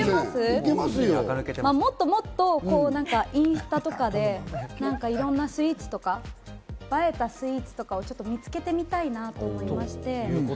もっともっとインスタとかで、いろんなスイーツとか、映えたスイーツとかを見つけてみたいなと思いまして。